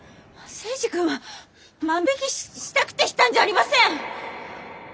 征二君は万引きしたくてしたんじゃありません！